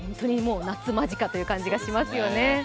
夏間近という感じがしますよね。